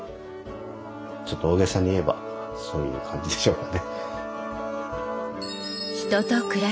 ちょっと大げさに言えばそういう感じでしょうかね。